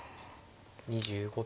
２５秒。